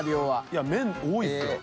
いや麺多いですよ。